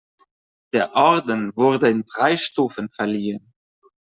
Der Orden wurde in drei Stufen verliehen.